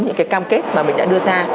những cái cam kết mà mình đã đưa ra